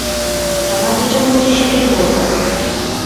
আমার যেটা মর্জি সেটাই বলবো।